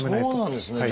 そうなんですね。